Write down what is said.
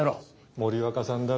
森若さんだろ？